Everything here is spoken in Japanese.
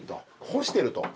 干してると。